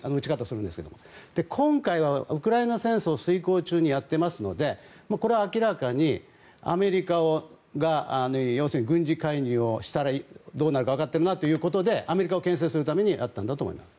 今回はウクライナ戦争遂行中にやっていますのでこれは明らかにアメリカが軍事介入をしたらどうなるか分かってるなということでアメリカを牽制するためにやったんだと思います。